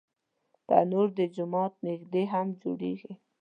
تنور د جومات نږدې هم جوړېږي